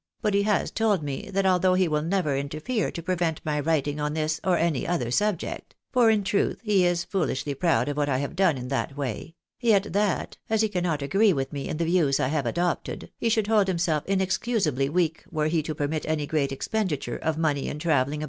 — but he has told me that although he will never interfere to prevent my writing on this or any other subject (for, in truth, he is foohshly proud of what I have done in that way), yet that, as he cannot agree with me in the views I have adopted, he should hold himself inexcusably weak were he to permit any great expenditure of money in travelUng.